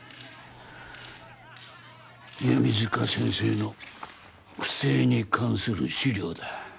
弓塚先生の不正に関する資料だ